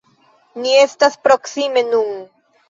Ni estas proksime nun.